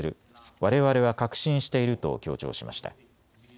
われわれは確信していると強調しました。